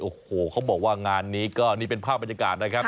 โอ้โหเขาบอกว่างานนี้ก็นี่เป็นภาพบรรยากาศนะครับ